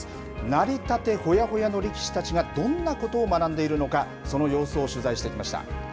なりたてほやほやの力士たちがどんなことを学んでいるのか、その様子を取材してきました。